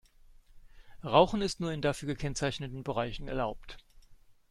Rauchen ist nur in dafür gekennzeichneten Bereichen erlaubt.